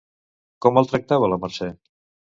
Com el tractava la Mercè?